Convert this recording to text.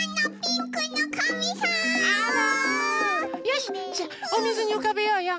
よしじゃあおみずにうかべようよ！